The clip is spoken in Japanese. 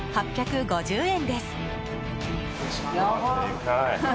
８５０円です。